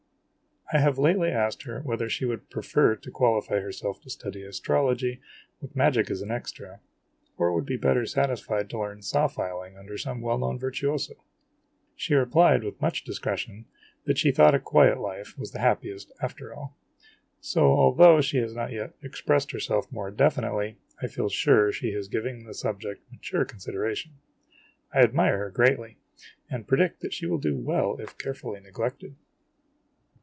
I have lately asked her whether she would prefer to qualify her self to study astrology, with magic as an extra, or would be better satisfied to learn saw filing under some well known virtuoso. She replied with much discretion, that she thought a quiet life was the happiest after all. So, although she has not yet expressed herself more definitely, I feel sure she is giving the subject mature consid eration. I admire her greatly, and predict that she will do well if carefully neglected.